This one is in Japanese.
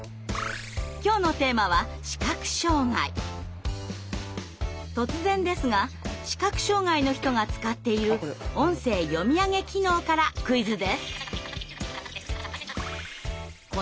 きょうのテーマは突然ですが視覚障害の人が使っている「音声読み上げ機能」からクイズです。